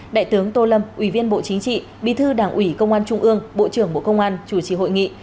đại tướng tô lâm ủy viên bộ chính trị bí thư đảng ủy công an trung ương bộ trưởng bộ công an chủ trì hội nghị